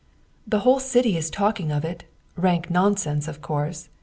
The whole city is talking of it rank nonsense, of course.